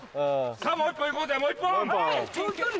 さぁもう１本いこうもう１本！